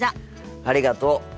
ありがとう。